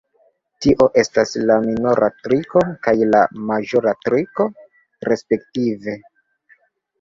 Tio estas la minora trito kaj la maĵora trito, respektive.